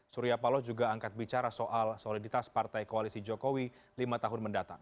surya paloh juga angkat bicara soal soliditas partai koalisi jokowi lima tahun mendatang